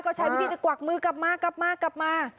ก็ใช้วิธีกวักมือกลับมากลับมากลับมา